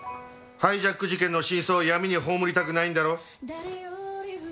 ハイジャック事件の真相を闇に葬りたくないんだろ？